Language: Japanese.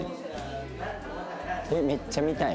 えっめっちゃ見たい。